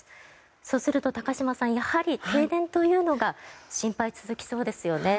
そうすると、高島さんやはり停電というのが心配が続きそうですよね。